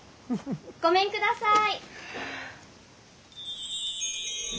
ごめんください。